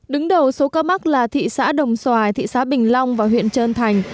đứng đầu số ca mắc là thị xã đồng xoài thị xã bình long và huyện trơn thành